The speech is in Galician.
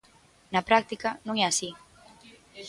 Na práctica, non é así.